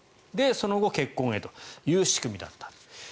その後、結婚へという仕組みだった。